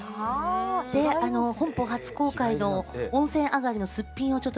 本邦初公開の温泉あがりのすっぴんをちょっと。